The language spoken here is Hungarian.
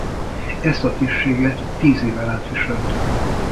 Ezt a tisztséget tíz éven át viselte.